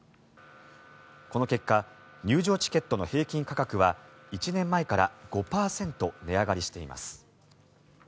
この結果入場チケットの平均価格は１年前から５％値上がりしています。